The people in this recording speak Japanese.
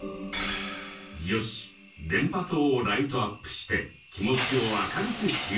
「よし電波塔をライトアップして気持ちを明るくしよう」。